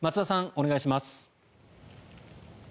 お願いします。